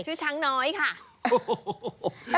ชื่อช้างน้อยค่ะ